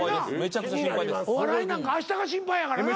お笑いなんかあしたが心配やからな。